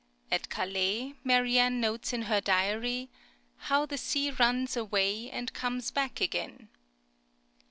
At Calais, Marianne notes in her diary, "how the sea runs away and comes back again."